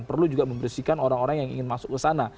perlu juga membersihkan orang orang yang ingin masuk ke sana